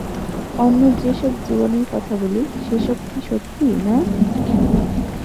অন্য যে-সব জীবনের কথা বলি, সে-সব কি সত্যি, না।